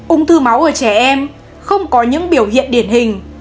ung thư máu ở trẻ em không có những biểu hiện điển hình